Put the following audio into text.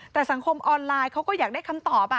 แต่สังคมออนไลน์เขาก็อยากได้คำตอบ